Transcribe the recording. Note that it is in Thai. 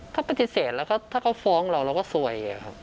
เขาปฏิเสธแล้วก็ถ้าเขาฟ้องเราเราก็ซวย